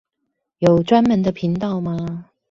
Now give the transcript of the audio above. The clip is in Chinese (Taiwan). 有專門的頻道嗎